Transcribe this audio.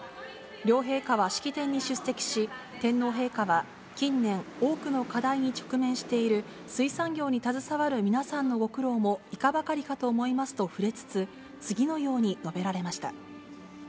両陛下は式典に出席し、天皇陛下は、近年、多くの課題に直面している水産業に携わる皆さんのご苦労もいかばかりかと思いますと、触れつつ、次のように述べられました。